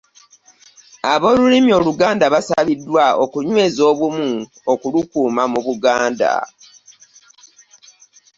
Ab'olulimi oluganda basabiddwa okunyweza obumu okulukuuma mu Buganda